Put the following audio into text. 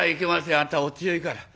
あなたお強いから。